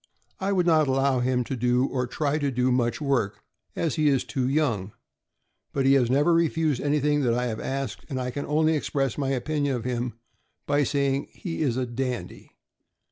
I would not allow him to do or try to do much work, as he is too young; but he has never re fused anything that I have asked, and I can only express my opinion of him by saying he is a dandy.